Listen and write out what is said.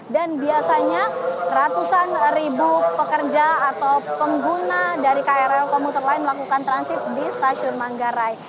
dan biasanya ratusan ribu pekerja atau pengguna dari krl komuter lain melakukan transit di stasiun manggarai